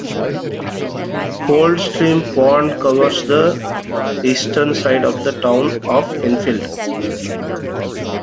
Cold Stream Pond covers the eastern side of the town of Enfield.